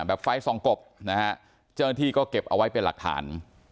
ไฟส่องกบนะฮะเจ้าหน้าที่ก็เก็บเอาไว้เป็นหลักฐาน